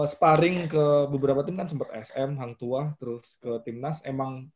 sparring ke beberapa tim kan sempet sm hang tua terus ke timnas emang